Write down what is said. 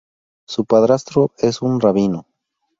Su padrastro es un rabino.